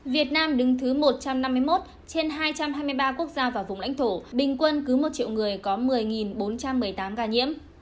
việt nam đứng thứ một trăm năm mươi một trên hai trăm hai mươi ba quốc gia và vùng lãnh thổ bình quân cứ một triệu người có một mươi bốn trăm một mươi tám ca nhiễm